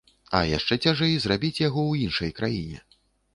А яшчэ цяжэй зрабіць яго ў іншай краіне.